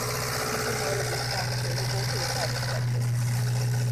He promoted reforms favorable to the private sector.